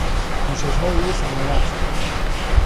کوشش های او ثمر بخش بود.